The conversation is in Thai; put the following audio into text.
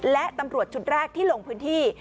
และตำรวจชุดแรกที่ลงพื้นที่